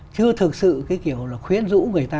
chưa thực sự cái kiểu là khuyến dũ người ta